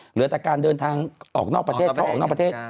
เหลือแต่การเดินทางออกนอกประเทศเขาออกนอกประเทศ